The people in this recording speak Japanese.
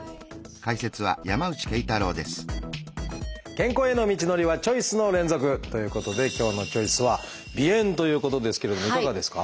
健康への道のりはチョイスの連続！ということで今日の「チョイス」はいかがですか？